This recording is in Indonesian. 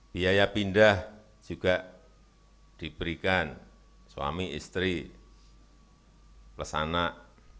biaya pindah juga diberikan suami istri plus anak